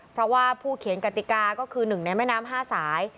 เพราะว่าผู้เขียนกติกาก็คือหนึ่งในแม่น้ำ๕สาย